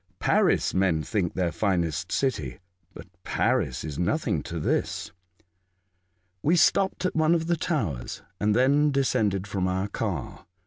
Paris, men think their finest city, but Paris is nothing to this." We stopped at one of the towers, and then descended from our car.